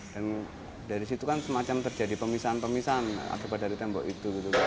dan dari situ kan semacam terjadi pemisahan pemisahan akibat dari tembok itu